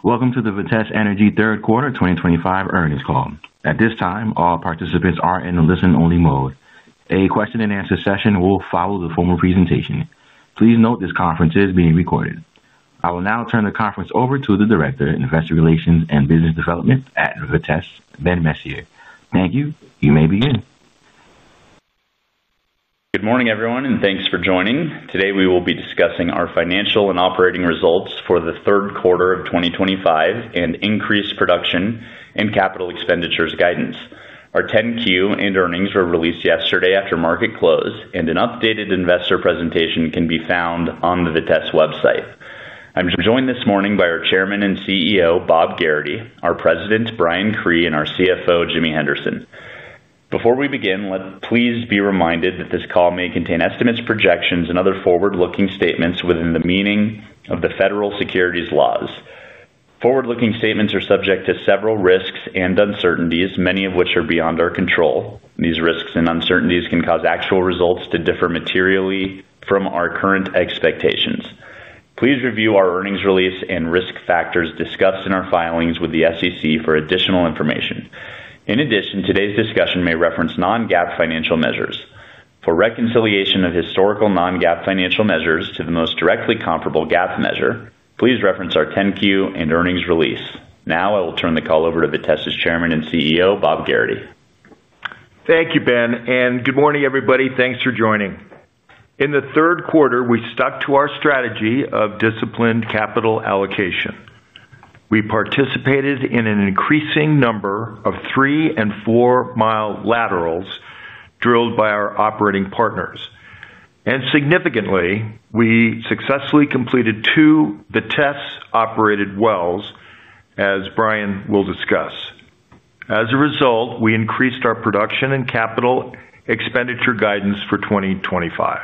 Greetings. Welcome to the Vitesse Energy third quarter 2025 earnings call. At this time, all participants are in the listen-only mode. A question-and-answer session will follow the formal presentation. Please note this conference is being recorded. I will now turn the conference over to the Director of Investor Relations and Business Development at Vitesse, Ben Messier. Thank you. You may begin. Good morning, everyone, and thanks for joining. Today, we will be discussing our financial and operating results for the third quarter of 2025 and increased production and capital expenditures guidance. Our 10-Q and earnings were released yesterday after market close, and an updated investor presentation can be found on the Vitesse website. I'm joined this morning by our Chairman and CEO, Bob Gerrity, our President, Brian Cree, and our CFO, Jimmy Henderson. Before we begin, please be reminded that this call may contain estimates, projections, and other forward-looking statements within the meaning of the federal securities laws. Forward-looking statements are subject to several risks and uncertainties, many of which are beyond our control. These risks and uncertainties can cause actual results to differ materially from our current expectations. Please review our earnings release and risk factors discussed in our filings with the SEC for additional information. In addition, today's discussion may reference non-GAAP financial measures. For reconciliation of historical non-GAAP financial measures to the most directly comparable GAAP measure, please reference our 10-Q and earnings release. Now, I will turn the call over to Vitesse's Chairman and CEO, Bob Gerrity. Thank you, Ben, and good morning, everybody. Thanks for joining. In the third quarter, we stuck to our strategy of disciplined capital allocation. We participated in an increasing number of three and four-mile laterals drilled by our operating partners. And significantly, we successfully completed two Vitesse-operated wells, as Brian will discuss. As a result, we increased our production and capital expenditure guidance for 2025.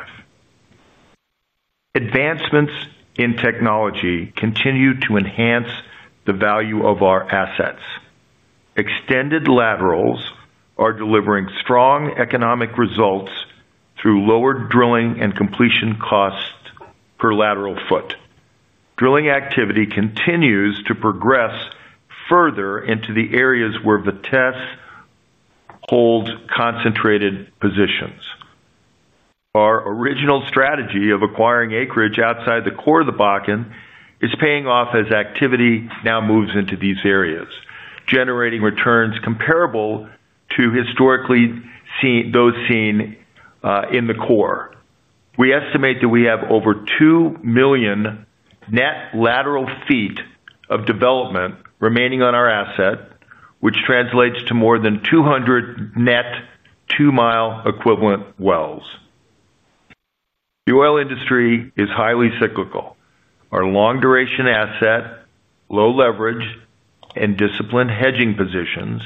Advancements in technology continue to enhance the value of our assets. Extended laterals are delivering strong economic results through lower drilling and completion costs per lateral foot. Drilling activity continues to progress further into the areas where Vitesse holds concentrated positions. Our original strategy of acquiring acreage outside the core of the Bakken is paying off as activity now moves into these areas, generating returns comparable to, historically, those seen in the core. We estimate that we have over 2 million net lateral feet of development remaining on our asset, which translates to more than 200 net two-mile equivalent wells. The oil industry is highly cyclical. Our long-duration asset, low leverage, and disciplined hedging positions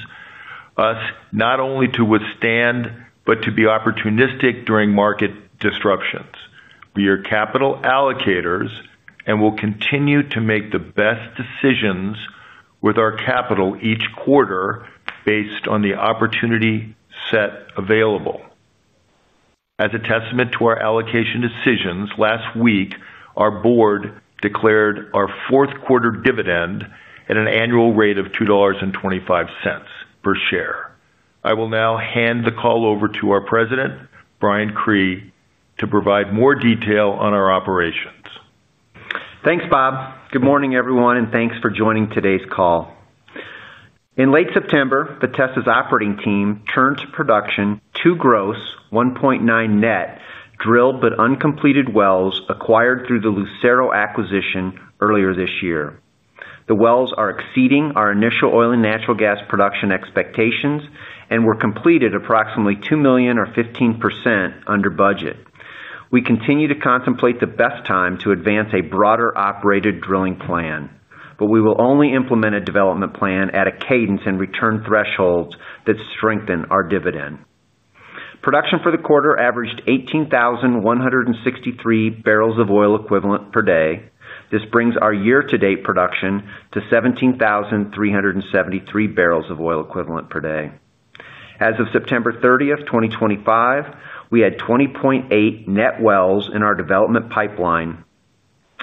us not only to withstand but to be opportunistic during market disruptions. We are capital allocators and will continue to make the best decisions with our capital each quarter based on the opportunity set available. As a testament to our allocation decisions, last week, our board declared our fourth-quarter dividend at an annual rate of $2.25 per share. I will now hand the call over to our President, Brian Cree, to provide more detail on our operations. Thanks, Bob. Good morning, everyone, and thanks for joining today's call. In late September, Vitesse's operating team turned to production two gross, 1.9 net drilled but uncompleted wells acquired through the Lucero acquisition earlier this year. The wells are exceeding our initial oil and natural gas production expectations and were completed approximately 2 million or 15% under budget. We continue to contemplate the best time to advance a broader operated drilling plan, but we will only implement a development plan at a cadence and return thresholds that strengthen our dividend. Production for the quarter averaged 18,163 barrels of oil equivalent per day. This brings our year-to-date production to 17,373 barrels of oil equivalent per day. As of September 30th, 2025, we had 20.8 net wells in our development pipeline,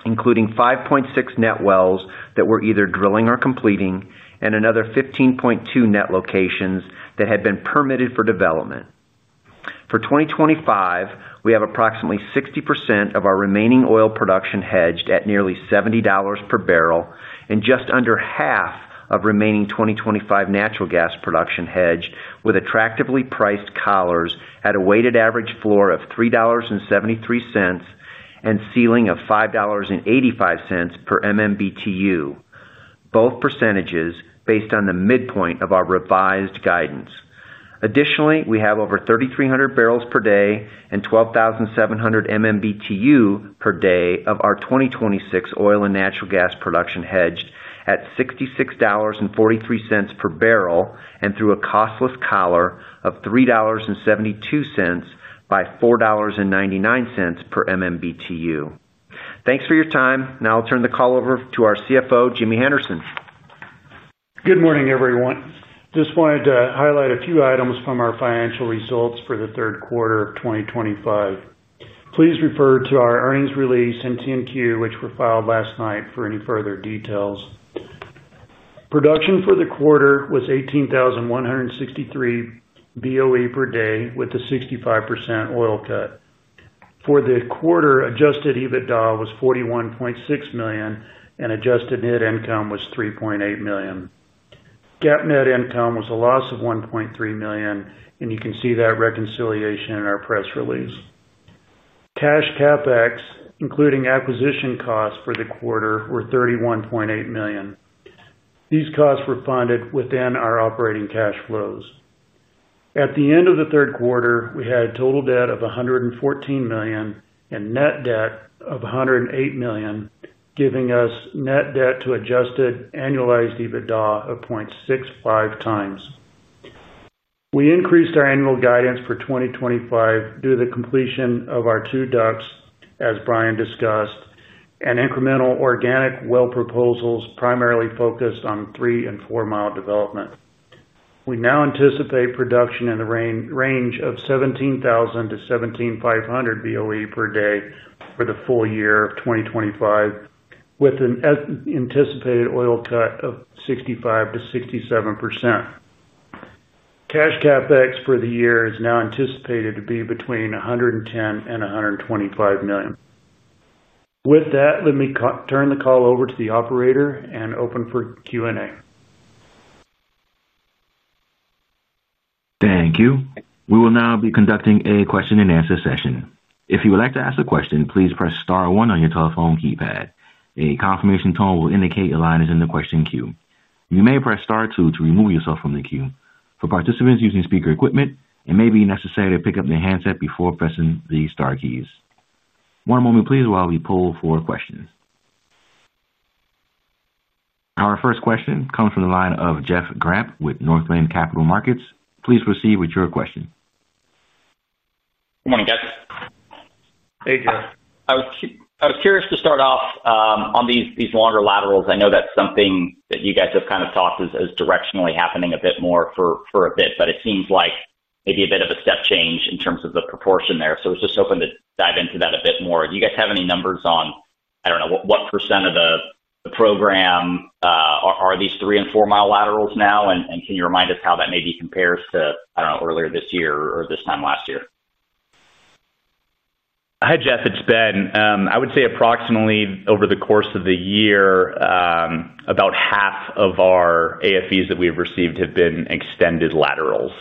including 5.6 net wells that were either drilling or completing, and another 15.2 net locations that had been permitted for development. For 2025, we have approximately 60% of our remaining oil production hedged at nearly $70 per barrel and just under half of remaining 2025 natural gas production hedged with attractively priced collars at a weighted average floor of $3.73 and ceiling of $5.85 per MMBtu. Both percentages based on the midpoint of our revised guidance. Additionally, we have over 3,300 barrels per day and 12,700 MMBtu per day of our 2026 oil and natural gas production hedged at $66.43 per barrel and through a costless collar of $3.72 by $4.99 per MMBtu. Thanks for your time. Now I'll turn the call over to our CFO, Jimmy Henderson. Good morning, everyone. Just wanted to highlight a few items from our financial results for the third quarter of 2025. Please refer to our earnings release and 10-Q, which were filed last night, for any further details. Production for the quarter was 18,163 BOE per day with a 65% oil cut. For the quarter, adjusted EBITDA was $41.6 million, and adjusted net income was $3.8 million. GAAP net income was a loss of $1.3 million, and you can see that reconciliation in our press release. Cash CapEx, including acquisition costs for the quarter, were $31.8 million. These costs were funded within our operating cash flows. At the end of the third quarter, we had a total debt of $114 million and net debt of $108 million, giving us net debt to adjusted annualized EBITDA of 0.65x. We increased our annual guidance for 2025 due to the completion of our two ducts, as Brian discussed, and incremental organic well proposals primarily focused on three and four-mile development. We now anticipate production in the range of 17,000-17,500 BOE per day for the full year of 2025, with an anticipated oil cut of 65%-67%. Cash CapEx for the year is now anticipated to be between $110 million-$125 million. With that, let me turn the call over to the operator and open for Q&A. Thank you. We will now be conducting a question-and-answer session. If you would like to ask a question, please press star one on your telephone keypad. A confirmation tone will indicate your line is in the question queue. You may press star two to remove yourself from the queue. For participants using speaker equipment, it may be necessary to pick up the handset before pressing the star keys. One moment, please, while we pull for questions. Our first question comes from the line of Jeff Grampp with Northland Capital Markets. Please proceed with your question. Good morning, guys. Hey, Jeff. I was curious to start off on these longer laterals. I know that's something that you guys have kind of talked as directionally happening a bit more for a bit, but it seems like maybe a bit of a step change in terms of the proportion there. So it's just hoping to dive into that a bit more. Do you guys have any numbers on, I don't know, what % of the program? Are these three- and four-mile laterals now? And can you remind us how that maybe compares to, I don't know, earlier this year or this time last year? Hi, Jeff. It's Ben. I would say approximately, over the course of the year, about half of our AFEs that we've received have been extended laterals.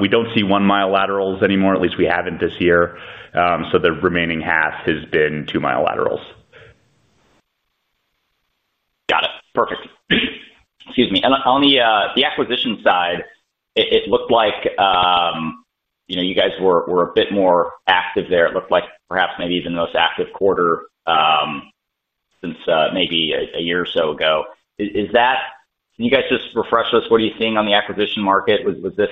We don't see one-mile laterals anymore, at least we haven't this year. So the remaining half has been two-mile laterals. Got it. Perfect. Excuse me. And on the acquisition side, it looked like you guys were a bit more active there. It looked like perhaps maybe even the most active quarter since maybe a year or so ago. Can you guys just refresh us? What are you seeing on the acquisition market? Was this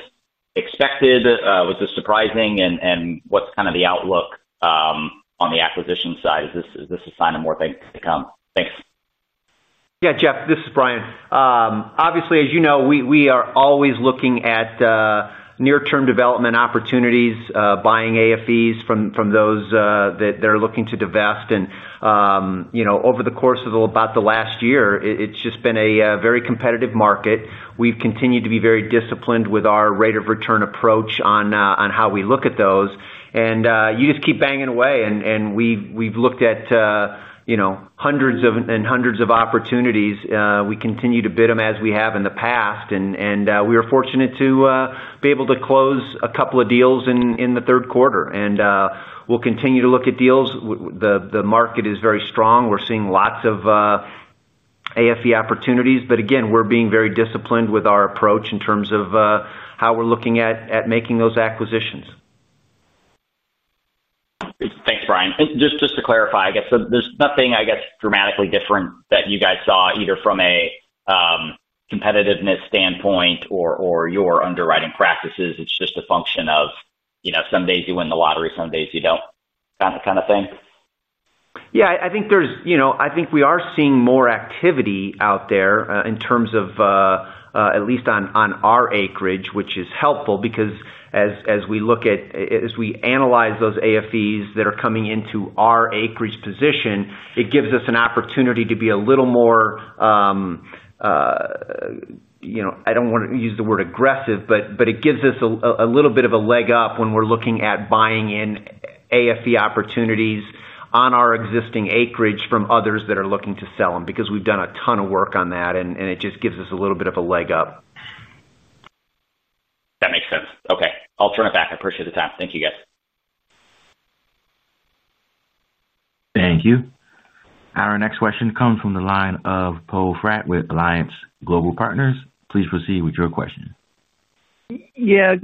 expected? Was this surprising? And what's kind of the outlook on the acquisition side? Is this a sign of more things to come? Thanks. Yeah, Jeff, this is Brian. Obviously, as you know, we are always looking at near-term development opportunities, buying AFEs from those that are looking to divest. Over the course of about the last year, it's just been a very competitive market. We've continued to be very disciplined with our rate of return approach on how we look at those. And you just keep banging away. And we've looked at hundreds and hundreds of opportunities. We continue to bid them as we have in the past. And we were fortunate to be able to close a couple of deals in the third quarter. And we'll continue to look at deals. The market is very strong. We're seeing lots of AFE opportunities. But again, we're being very disciplined with our approach in terms of how we're looking at making those acquisitions. Thanks, Brian, and just to clarify, I guess there's nothing, I guess, dramatically different that you guys saw either from a competitiveness standpoint or your underwriting practices. It's just a function of some days you win the lottery, some days you don't, kind of thing? Yeah, I think there's, I think we are seeing more activity out there in terms of at least on our acreage, which is helpful because as we look at, as we analyze those AFEs that are coming into our acreage position, it gives us an opportunity to be a little more, I don't want to use the word aggressive, but it gives us a little bit of a leg up when we're looking at buying in AFE opportunities on our existing acreage from others that are looking to sell them because we've done a ton of work on that, and it just gives us a little bit of a leg up. That makes sense. Okay. I'll turn it back. I appreciate the time. Thank you, guys. Thank you. Our next question comes from the line of PoeFratt with Alliance Global Partners. Please proceed with your question. Yeah.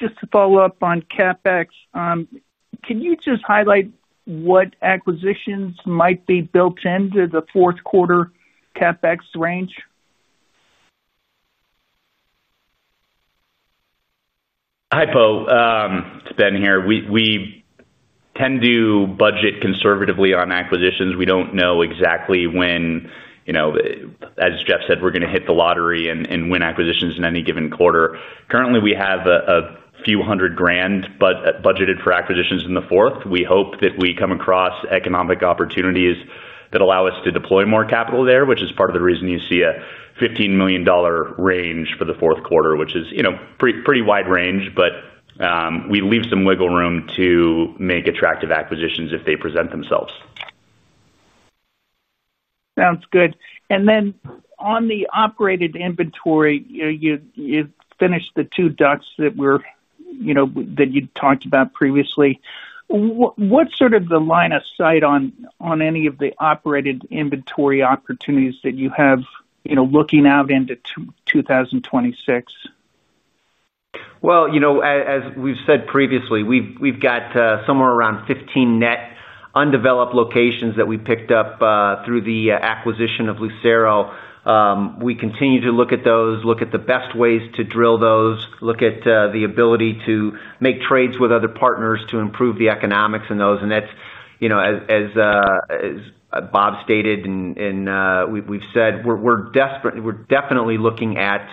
Just to follow up on CapEx, can you just highlight what acquisitions might be built into the fourth-quarter CapEx range? Hi, Poe. It's Ben here. We tend to budget conservatively on acquisitions. We don't know exactly when, as Jeff said, we're going to hit the lottery and win acquisitions in any given quarter. Currently, we have a few hundred grand budgeted for acquisitions in the fourth. We hope that we come across economic opportunities that allow us to deploy more capital there, which is part of the reason you see a $15 million range for the fourth quarter, which is a pretty wide range, but we leave some wiggle room to make attractive acquisitions if they present themselves. Sounds good. And then on the operated inventory, you finished the two DUCs that you talked about previously. What's sort of the line of sight on any of the operated inventory opportunities that you have looking out into 2026? As we've said previously, we've got somewhere around 15 net undeveloped locations that we picked up through the acquisition of Lucero. We continue to look at those, look at the best ways to drill those, look at the ability to make trades with other partners to improve the economics in those, and as Bob stated, and we've said, we're definitely looking at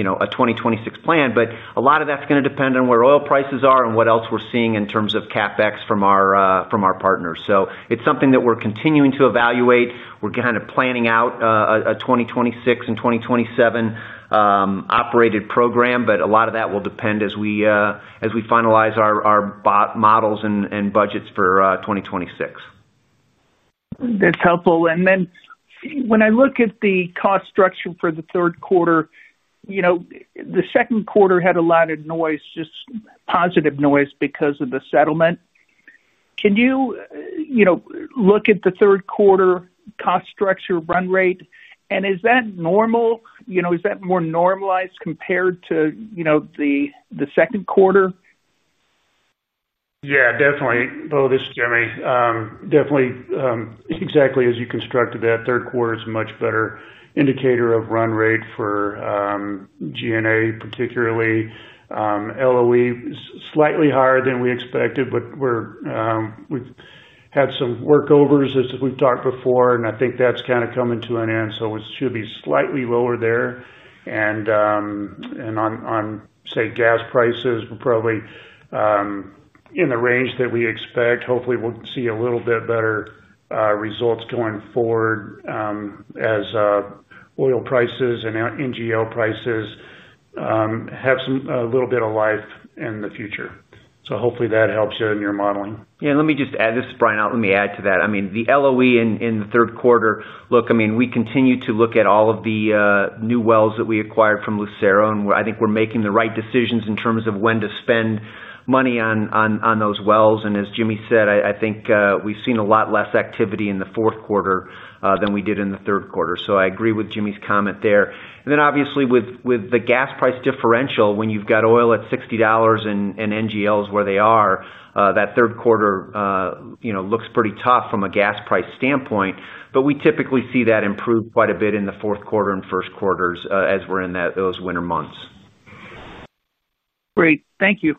a 2026 plan, but a lot of that's going to depend on where oil prices are and what else we're seeing in terms of CapEx from our partners, so it's something that we're continuing to evaluate. We're kind of planning out a 2026 and 2027 operated program, but a lot of that will depend as we finalize our models and budgets for 2026. That's helpful. And then when I look at the cost structure for the third quarter. The second quarter had a lot of noise, just positive noise because of the settlement. Can you look at the third quarter cost structure run rate? And is that normal? Is that more normalized compared to the second quarter? Yeah, definitely. Well, this is Jimmy. Definitely, exactly as you constructed that, third quarter is a much better indicator of run rate for G&A, particularly LOE. It's slightly higher than we expected, but we've had some workovers, as we've talked before, and I think that's kind of coming to an end. So it should be slightly lower there. And on, say, gas prices, we're probably in the range that we expect. Hopefully, we'll see a little bit better results going forward. As oil prices and NGL prices have a little bit of life in the future. So hopefully that helps you in your modeling. Yeah. Let me just add this to Brian out. Let me add to that. I mean, the LOE in the third quarter, look, I mean, we continue to look at all of the new wells that we acquired from Lucero, and I think we're making the right decisions in terms of when to spend money on those wells. And as Jimmy said, I think we've seen a lot less activity in the fourth quarter than we did in the third quarter. So I agree with Jimmy's comment there. And then, obviously, with the gas price differential, when you've got oil at $60 and NGs where they are, that third quarter looks pretty tough from a gas price standpoint. But we typically see that improve quite a bit in the fourth quarter and first quarters as we're in those winter months. Great. Thank you.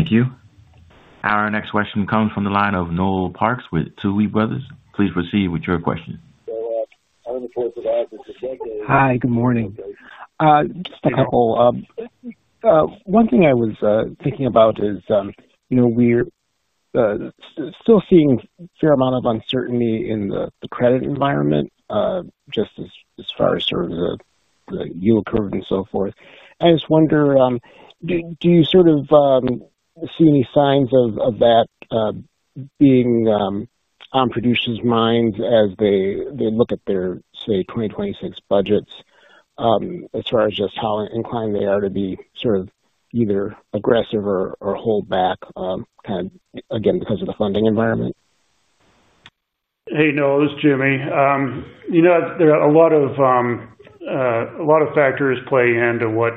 Thank you. Our next question comes from the line of Noel Parks with Tuohy Brothers. Please proceed with your question. Hi, good morning. Just a couple. One thing I was thinking about is we're still seeing a fair amount of uncertainty in the credit environment. Just as far as sort of the yield curve and so forth. I just wonder, do you sort of see any signs of that being on producers' minds as they look at their, say, 2026 budgets. As far as just how inclined they are to be sort of either aggressive or hold back, kind of again, because of the funding environment? Hey, Noel, this is Jimmy. There are a lot of factors playing into what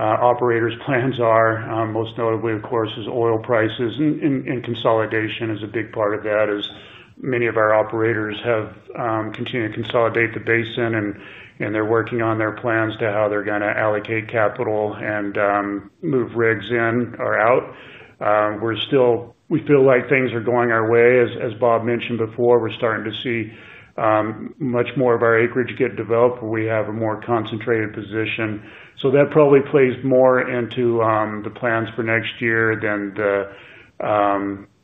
operators' plans are. Most notably, of course, is oil prices, and consolidation is a big part of that, as many of our operators have continued to consolidate the basin, and they're working on their plans to how they're going to allocate capital and move rigs in or out. We feel like things are going our way. As Bob mentioned before, we're starting to see much more of our acreage get developed. We have a more concentrated position, so that probably plays more into the plans for next year than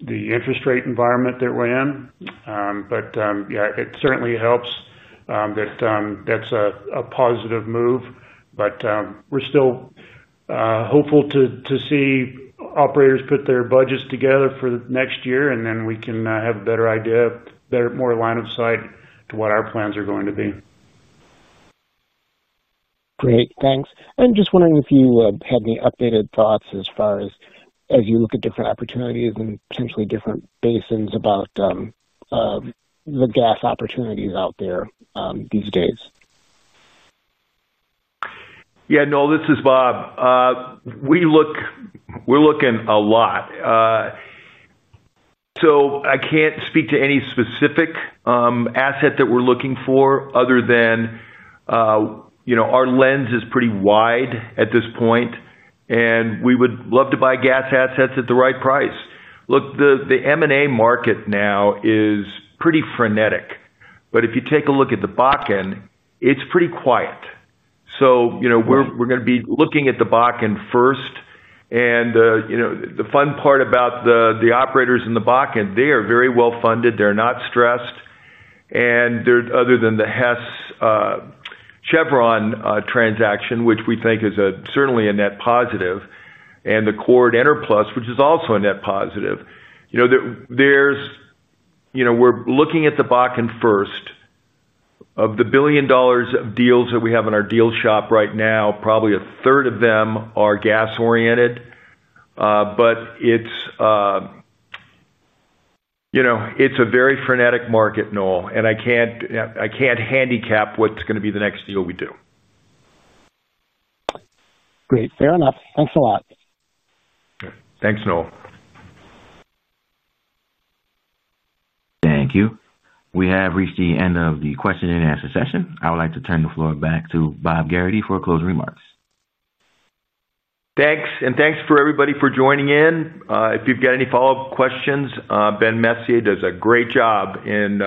the interest rate environment that we're in, but yeah, it certainly helps that that's a positive move, but we're still hopeful to see operators put their budgets together for next year, and then we can have a better idea, more line of sight to what our plans are going to be. Great. Thanks. And just wondering if you have any updated thoughts as far as you look at different opportunities and potentially different basins about the gas opportunities out there these days? Yeah, Noel, this is Bob. We're looking a lot. So I can't speak to any specific asset that we're looking for other than our lens is pretty wide at this point. And we would love to buy gas assets at the right price. Look, the M&A market now is pretty frenetic. But if you take a look at the Bakken, it's pretty quiet. So we're going to be looking at the Bakken first. And the fun part about the operators in the Bakken, they are very well funded. They're not stressed. And other than the Hess Chevron transaction, which we think is certainly a net positive, and the Chord Energy, which is also a net positive. We're looking at the Bakken first. Of the billion dollars of deals that we have in our deal shop right now, probably a third of them are gas-oriented. But it's a very frenetic market, Noel. And I can't handicap what's going to be the next deal we do. Great. Fair enough. Thanks a lot. Thanks, Noel. Thank you. We have reached the end of the question and answer session. I would like to turn the floor back to Bob Gerrity for closing remarks. Thanks, and thanks for everybody for joining in. If you've got any follow-up questions, Ben Messier does a great job in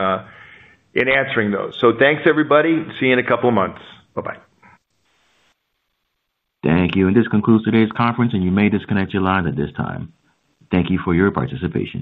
answering those, so thanks, everybody. See you in a couple of months. Bye-bye. Thank you. This concludes today's conference, and you may disconnect your lines at this time. Thank you for your participation.